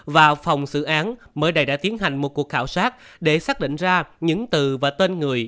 và phòng xử án mới đây đã tiến hành một cuộc khảo sát để xác định ra những từ và tên người